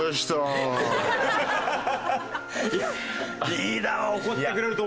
リーダーは怒ってくれると。